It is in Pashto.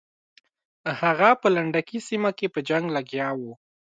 هغه په لنډکي سیمه کې په جنګ لګیا وو.